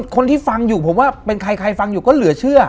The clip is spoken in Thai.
คนที่ฟังอยู่ผมว่าเป็นใครใครฟังอยู่ก็เหลือเชื่อ